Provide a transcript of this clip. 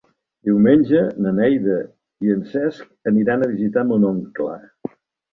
Diumenge na Neida i en Cesc aniran a visitar mon oncle.